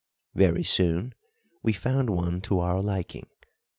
Very soon we found one to our liking.